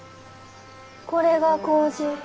これが麹？